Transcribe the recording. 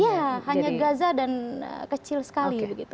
iya hanya gaza dan kecil sekali